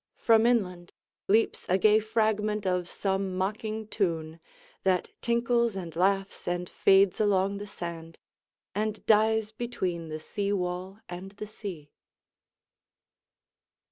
From inlandLeaps a gay fragment of some mocking tune, That tinkles and laughs and fades along the sand, And dies between the seawall and the sea.